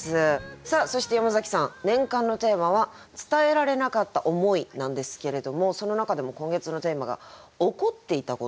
さあそして山崎さん年間のテーマは「伝えられなかった思い」なんですけれどもその中でも今月のテーマが「怒っていたこと」。